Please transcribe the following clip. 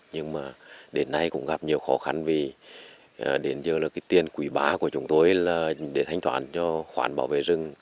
nhưng mà đến nay cũng gặp nhiều khó khăn vì đến giờ tiền quỷ bá của chúng tôi để thanh toán cho khoản bảo vệ rừng